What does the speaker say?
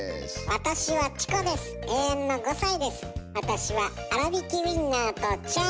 私はあらびきウインナーとチャーハンがすきです。